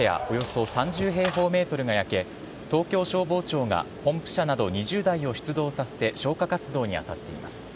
およそ３０平方ｍが焼け東京消防庁がポンプ車など２０台を出動させて消火活動に当たっています。